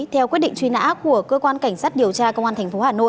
theo quyết định truy nã của cơ quan cảnh sát điều tra công an tp hà nội